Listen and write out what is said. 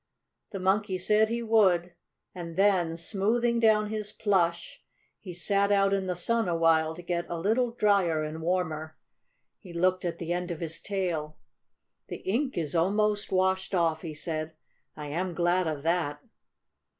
The Monkey said he would and then, smoothing down his plush, he sat out in the sun awhile to get a little dryer and warmer. He looked at the end of his tail. "The ink is almost washed off," he said. "I am glad of that."